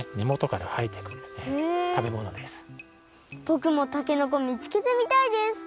ぼくもたけのこみつけてみたいです！